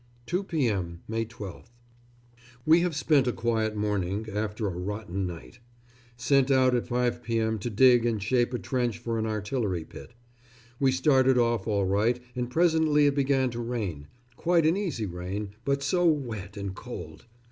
2 p.m., May 12th. We have spent a quiet morning, after a rotten night. Sent out at 5 p.m. to dig and shape a trench for an artillery pit. We started off all right and presently it began to rain quite an easy rain, but so wet and cold.